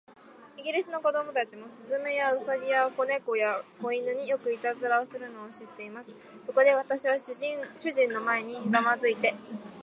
イギリスの子供たちも、雀や、兎や、小猫や、小犬に、よくいたずらをするのを知っています。そこで、私は主人の前にひざまずいて